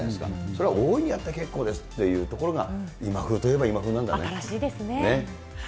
それは大いにやって結構ですっていうところが、今風といえば今風新しいですね。